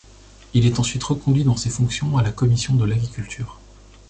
Il est ensuite reconduit dans ses fonctions à la commission de l'Agriculture.